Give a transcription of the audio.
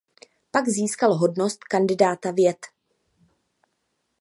Pak získal hodnost kandidáta věd.